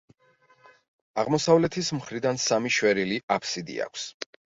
აღმოსავლეთის მხრიდან სამი შვერილი აფსიდი აქვს.